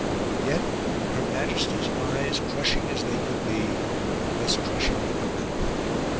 Yet Her Majesty's eyes, crushing as they could be, were less crushing than her mouth.